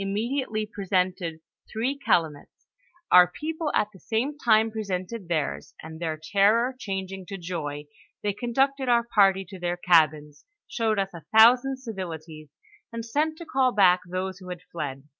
95 mediately presented three calumets ; our people at the same time presented theirs, and their terror changing to joy, they conducted our party to their cabins, showed us a thousand civilities, and sent to call back those who had fled.